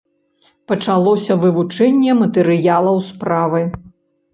Пачалося вывучэнне матэрыялаў справы.